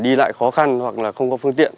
để đi lại khó khăn hoặc không có phương tiện